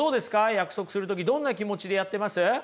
約束する時どんな気持ちでやってます？